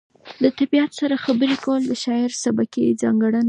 د طبیعت سره خبرې کول د شاعر سبکي ځانګړنه ده.